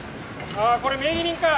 あこれ名義人か。